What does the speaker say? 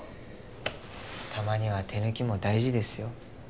たまには手抜きも大事ですよ。